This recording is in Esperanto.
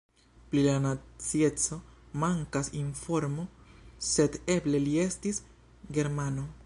Pri la nacieco mankas informo, sed eble li estis germano.